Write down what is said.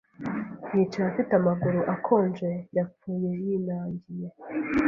Yicaye afite amaguru akonje yapfuye yinangiye